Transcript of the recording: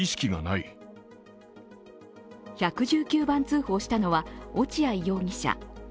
１１９番通報したのは落合容疑者。